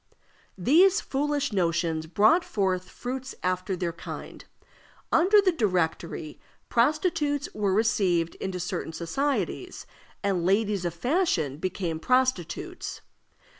These foolish notions brought forth fruits after their kind. Under the Directory, prostitutes were received into certain societies, and ladies of fashion became prostitutes.